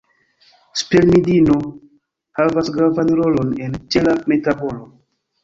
Spermidino havas gravan rolon en ĉela metabolo.